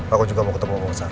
aku juga mau ketemu bawa sara